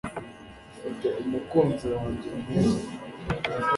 Ufite umukunzi wanjye mwiza